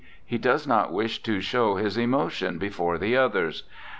He does not wish to show his emotion before the others.